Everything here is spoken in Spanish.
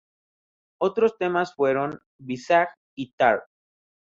Otros temas fueron "Visage" y "Tar".